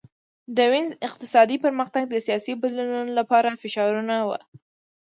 د وینز اقتصادي پرمختګ د سیاسي بدلونونو لپاره فشارونه وو